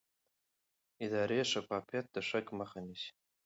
اداري شفافیت د شک مخه نیسي